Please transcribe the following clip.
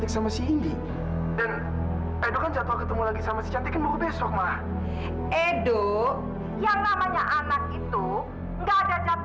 sampai jumpa di video selanjutnya